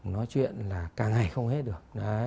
nói chuyện là càng ngày không hết được